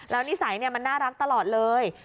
แล้วนิสัยมันน่ารักตลอดเลย